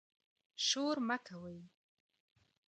شور مه کوئ